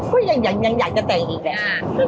ก็ยังอยากจะแต่งอีกแหละ